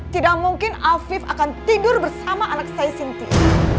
tidak mungkin alfif akan tidur bersama anak saya cynthia